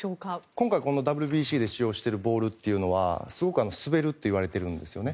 今回、ＷＢＣで使用しているボールというのはすごく滑るといわれてるんですよね。